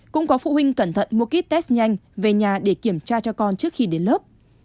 cũng có phụ huynh cẩn thận mua kích test nhanh về nhà để kiểm tra cho con trước khi đến lớp